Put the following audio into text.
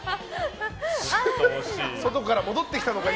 外から戻ってきたのか、今。